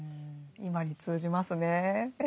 今に通じますね。